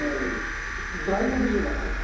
外国人が書いた。